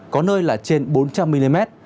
có nơi là trên bốn trăm linh mm